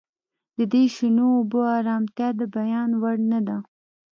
د دې شنو اوبو ارامتیا د بیان وړ نه ده